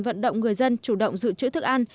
vận động người dân chủ động dự trữ thức ăn